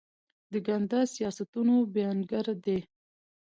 د ګنده سیاستونو بیانګر دي.